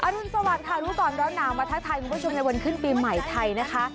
รุนสวัสดิค่ะรู้ก่อนร้อนหนาวมาทักทายคุณผู้ชมในวันขึ้นปีใหม่ไทยนะคะ